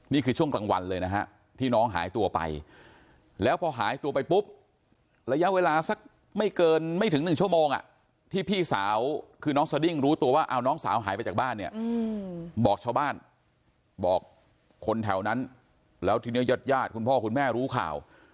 นี่คือช่วงกลางวันเลยนะฮะที่น้องหายตัวไปแล้วพอหายตัวไปปุ๊บระยะเวลาสักไม่เกินไม่ถึง๑ชั่วโมงที่พี่สาวคือน้องสดิ้งรู้ตัวว่าเอาน้องสาวหายไปจากบ้านเนี่ยบอกชาวบ้านบอกคนแถวนั้นแล้วทีนี้ญาติญาติคุณพ่อคุณแม่รู้ข่าว